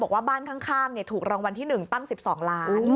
บ้านข้างถูกรางวัลที่๑ตั้ง๑๒ล้าน